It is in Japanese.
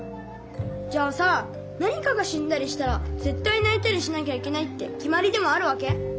じゃあさ何かがしんだりしたらぜったいないたりしなきゃいけないってきまりでもあるわけ？